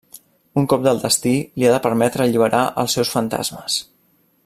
Un cop del destí li ha de permetre alliberar els seus fantasmes.